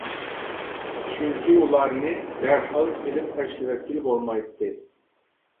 چۈنكى ئۇلارنى دەرھال سېلىپ تاشلىۋەتكىلى بولمايتتى.